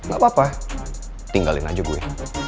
gak apa apa tinggalin aja gue